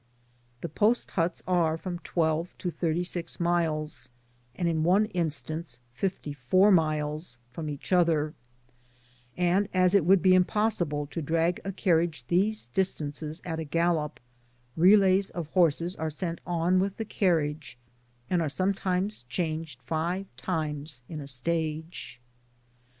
The post huts are from twelve to thirty six miles, and in one instance fifty four miles from each other ; and as it would be impossible to drag a carriage these distances at a gallop, relays of horses are sent on with the carriage, and are smnetimes changed five times in a stage.